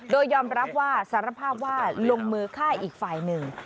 โดยยอมรับว่าสารภาพว่าลงมือฆ่าอีกฝ่ายหนึ่ง